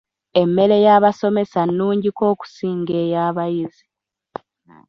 Emmere y'abasomesa nnungi ko okusinga ey'abayizi.